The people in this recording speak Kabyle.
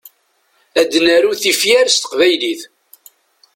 Ad naru tifyar s teqbaylit.